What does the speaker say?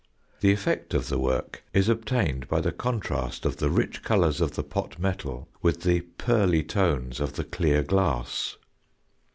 The effect of the work is obtained by the contrast of the rich colours of the pot metal with the pearly tones of the clear glass.